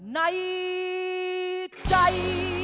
ในใจ